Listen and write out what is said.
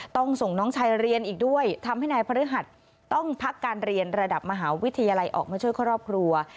ต้องส่งน้องชายเรียนอีกด้วยทำให้นายพฤหัสต้องพักการเรียนระดับมหาวิทยาลัยออกมาช่วยครอบครัว